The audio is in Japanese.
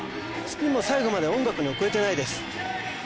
スピンも最後まで音楽に遅れてないです